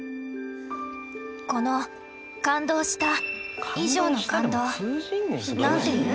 この「感動した」以上の感動なんて言う？